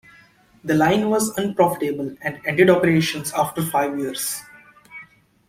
The line was unprofitable and ended operations after five years.